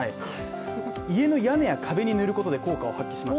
家の屋根や壁に塗ることで効果を発揮します。